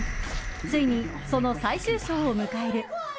ついに、その最終章を迎える。